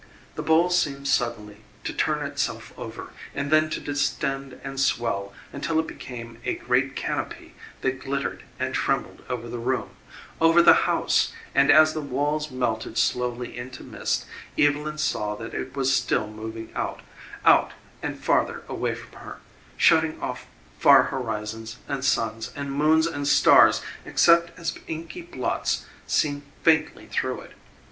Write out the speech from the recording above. The bowl seemed suddenly to turn itself over and then to distend and swell until it became a great canopy that glittered and trembled over the room, over the house, and, as the walls melted slowly into mist, Evylyn saw that it was still moving out, out and far away from her, shutting off far horizons and suns and moons and stars except as inky blots seen faintly through it.